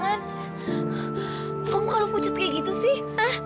kamu kalau pucat kayak gitu sih